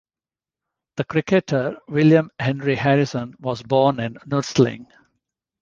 The cricketer William Henry Harrison was born in Nursling.